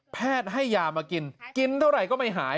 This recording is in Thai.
ให้ยามากินกินเท่าไหร่ก็ไม่หาย